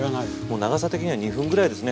長さ的には２分ぐらいですね。